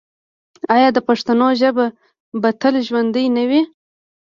آیا د پښتنو ژبه به تل ژوندی نه وي؟